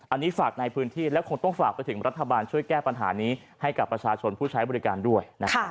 อันนี้ฝากในพื้นที่และคงต้องฝากไปถึงรัฐบาลช่วยแก้ปัญหานี้ให้กับประชาชนผู้ใช้บริการด้วย